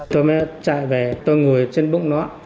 tôi mới chạy về tôi ngồi trên bụng nó